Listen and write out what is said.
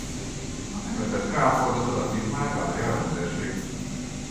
A meglepett Crawfordot odakint már várja a rendőrség.